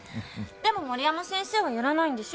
でも森山先生はやらないんでしょ？